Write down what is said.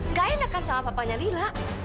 nggak enakan sama papahnya lila